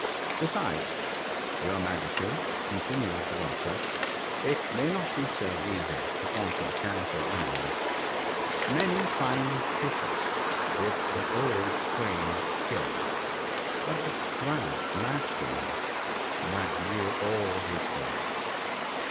Besides, your Majesty," con tinued the Vulture, " it may not be so easy to conquer Camphor island, —" Many fine fishes did the old Crane kill, But the Crab matched him, maugre all his bill."